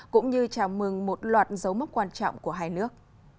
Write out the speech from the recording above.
cũng như chào mừng một loạt dấu mốc quan trọng của hai nước